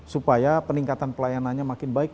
supaya peningkatan pelayanannya makin baik